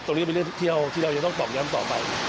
ตรงนี้เป็นเรื่องที่เราจะต้องต่อมย้ำต่อไป